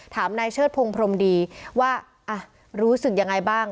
ถามนายเชิดพงศ์พรมดีว่ารู้สึกยังไงบ้าง